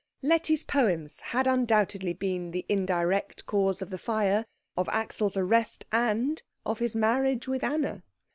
Letty's poems had undoubtedly been the indirect cause of the fire, of Axel's arrest, and of his marriage with Anna.